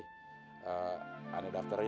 ane dafterin deh jadi agen herbal